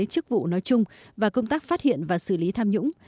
chức vụ nói chung và công tác phát hiện và xử lý tham nhũng